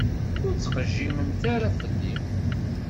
Ur ttqejjim ara fell-i.